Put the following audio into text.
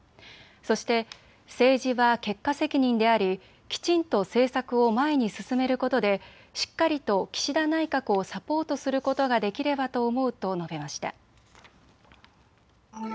そして政治は結果責任でありきちんと政策を前に進めることでしっかりと岸田内閣をサポートすることができればと思うと述べました。